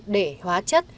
để hóa chất